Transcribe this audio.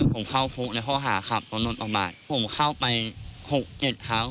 ของโดนประบาทผมเข้าไป๖๗ครั้ง